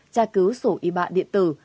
tra cứu sổ y bạ điện tử